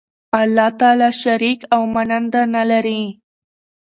الله تعالی شریک او ماننده نه لری